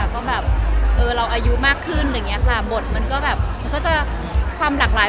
ก็แบบเราอายุมากขึ้นบทมันก็จะความหลากหลาย